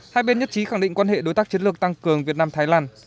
hai bên nhất trí khẳng định quan hệ đối tác chiến lược tăng cường việt nam thái lan